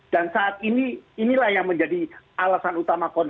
dan saat inilah yang menjadi alasan utama